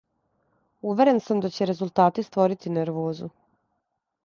Уверен сам да ће резултати створити нервозу.